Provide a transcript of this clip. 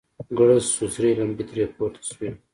گړز سو سرې لمبې ترې پورته سوې.